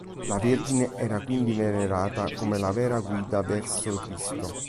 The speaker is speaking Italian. La Vergine era quindi venerata come la vera guida verso Cristo.